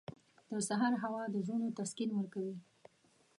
• د سهار هوا د زړونو تسکین ورکوي.